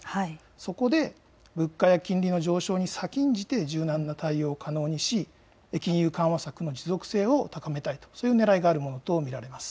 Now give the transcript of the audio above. そこで物価や金利の上昇に先んじて柔軟な対応を可能にし、金融緩和策の持続性を高めたい、そういうねらいがあると見られます。